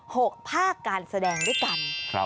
หกภาคการแสดงด้วยกันครับ